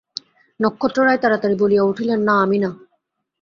নক্ষত্ররায় তাড়াতাড়ি বলিয়া উঠিলেন, না, আমি না।